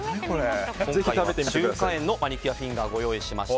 秀果園のマニキュアフィンガーご用意しました。